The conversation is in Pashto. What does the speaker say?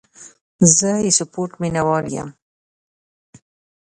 زه د سپورټ مینهوال یم.